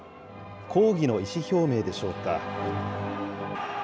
抗議の意思表明でしょうか。